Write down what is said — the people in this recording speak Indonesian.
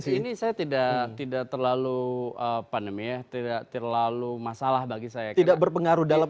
sih ini saya tidak tidak terlalu pandemi ya tidak terlalu masalah bagi saya tidak berpengaruh dalam